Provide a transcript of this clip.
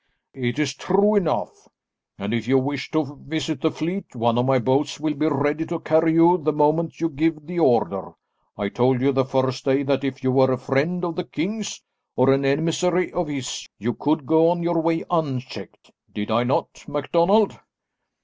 "It's true enough, and if you wish to visit the fleet one of my boats will be ready to carry you the moment you give the order. I told you the first day that if you were a friend of the king's, or an emissary of his, you could go on your way unchecked. Did I not, MacDonald?"